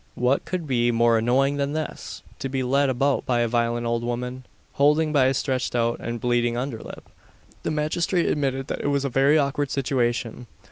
What could be more annoying than this? To be led about by a violent old woman, holding by his stretched out and bleeding under lip! The magistrate admitted that it was a very awkward situation.